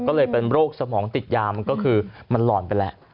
ก็เลยเป็นโรคสมองติดยามันก็คือมันหล่อนไปแล้ว